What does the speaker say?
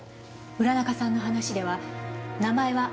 浦中さんの話では名前は新井はるみ。